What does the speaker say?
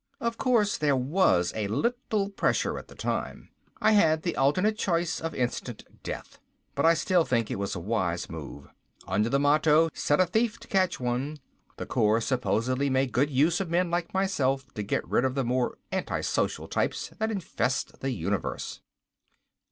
Of course there was a little pressure at the time. I had the alternative choice of instant death. But I still think it was a wise move. Under the motto "Set a thief to catch one," the Corps supposedly made good use of men like myself to get rid of the more antisocial types that infest the universe.